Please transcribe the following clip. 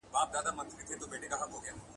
کله کله به لا سر سو په رمباړو ,